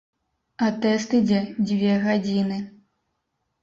А тэст ідзе дзве гадзіны.